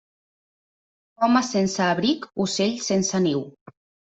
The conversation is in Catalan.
Home sense abric, ocell sense niu.